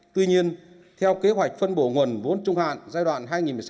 tuy nhiên theo kế hoạch phân bổ nguồn vốn trung hạn giai đoạn hai nghìn một mươi sáu hai nghìn hai mươi